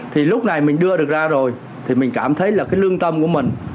thì lúc này mình đưa được ra rồi thì mình cảm thấy là cái lương tâm của mình